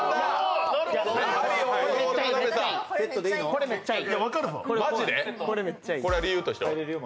これめっちゃいい。